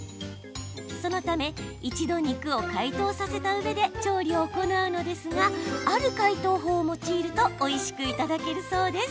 そのため一度肉を解凍させた上で調理を行うのですがある解凍法を用いるとおいしくいただけるそうです。